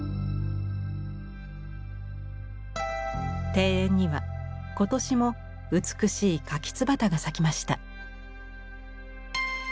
庭園には今年も美しいかきつばたが咲きました。